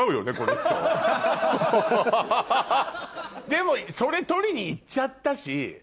でもそれ取りに行っちゃったし。